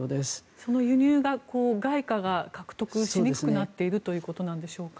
その輸入が、外貨が獲得しにくくなっているということでしょうか。